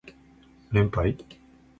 連敗